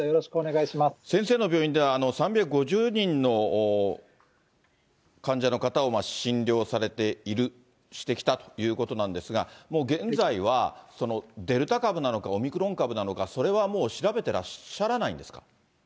先生の病院では、３５０人の患者の方を診療されている、してきたということなんですが、もう現在は、デルタ株なのかオミクロン株なのか、それはもう調べてらっしゃらないんですか？